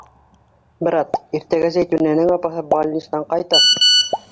Брат, иртәгә Зәйтүнәнең апаһы болнистан ҡайта.